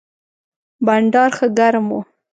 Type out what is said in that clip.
بانډار ښه ګرم و.